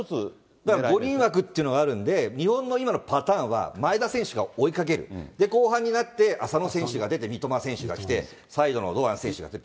だから５人枠っていうのがあるので、日本の今のパターンは、前田選手が追いかける、後半になって、浅野選手が出て三笘選手が来て、サイドの堂安選手が出る。